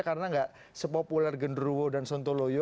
karena tidak sepopuler genruwo dan sontoloyo